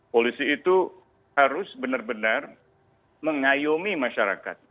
polisi itu harus benar benar mengayomi masyarakat